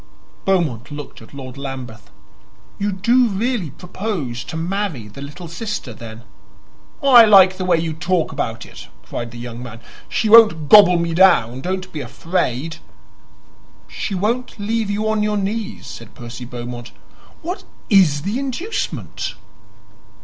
Beaumont looked at Lord Lambeth. "You do really propose to marry the little sister, then?" "I like the way you talk about it!" cried the young man. "She won't gobble me down; don't be afraid." "She won't leave you on your knees," said Percy Beaumont. "What IS the inducement?"